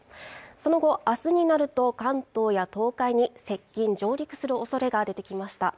その後明日になると関東や東海に接近上陸するおそれが出てきました